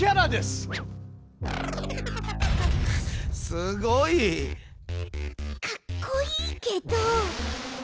すごい！かっこいいけど。